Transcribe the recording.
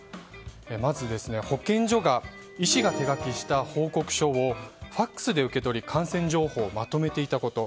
まず保健所が医師が手書きした報告書をＦＡＸで受け取り感染状況をまとめていたこと。